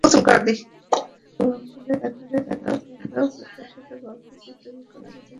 সেটা খুলে দেখা গেল, প্রত্যাশিত গল্পটি তৈরি করতে তিনি ব্যর্থ হয়েছেন।